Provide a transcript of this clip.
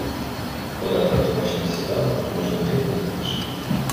Подати домашній сніданок можна геть інакше.